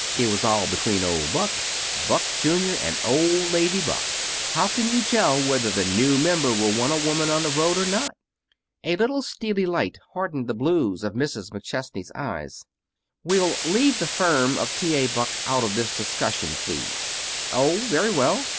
It was all between old Buck, Buck junior, and old lady Buck. How can you tell whether the new member will want a woman on the road, or not?" A little steely light hardened the blue of Mrs. McChesney's eyes. "We'll leave the firm of T. A. Buck out of this discussion, please." "Oh, very well!"